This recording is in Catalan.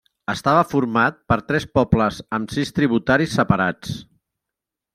Estava format per tres pobles amb sis tributaris separats.